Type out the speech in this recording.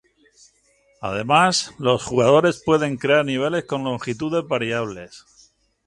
Además, los jugadores pueden crear niveles con longitudes variables.